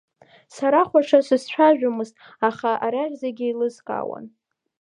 Сара хәаша сызцәажәомызт, аха арахь зегьы еилыскаауан.